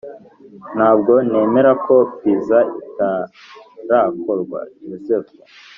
ntabwo nemera ko pizza itarakorwa. (yozefu)